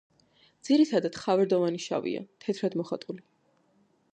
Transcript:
ძირითადად ხავერდოვანი შავია, თეთრად მოხატული.